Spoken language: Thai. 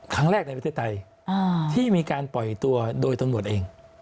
ครั้งแรกในประเทศไทยที่มีการปล่อยตัวโดยตำรวจเอง